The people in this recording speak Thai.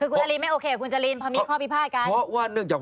คือคุณอารีกไม่โอเคกับคุณจริง